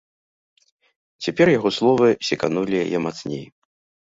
Цяпер яго словы секанулі яе мацней.